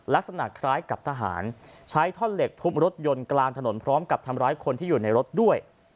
พบรถยนต์กลางถนนพร้อมกับทำร้ายคนที่อยู่ในรถด้วย